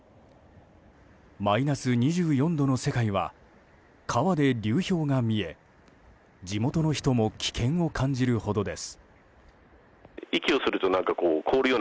マイナス２４度の世界は川で流氷が見え地元の人も危険を感じるほどです。